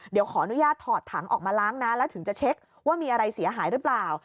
เดี๋ยวขออนุญาตถอดถังออกมาล้างนะแล้วถึงจะเช็คว่ามีอะไรเสียหายหรือเปล่า